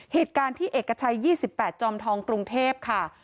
เหตุการณ์ที่เอกชัยยี่สิบแปดจอมทองกรุงเทพฯค่ะ